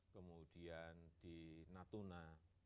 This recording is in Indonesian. kemudian di natuna